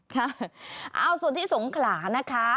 ค่ะเอาส่วนที่สงขลานะคะ